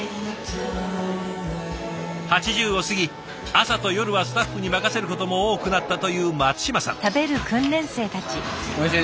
８０を過ぎ朝と夜はスタッフに任せることも多くなったという松島さん。